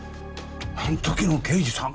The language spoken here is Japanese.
あん時の刑事さん！？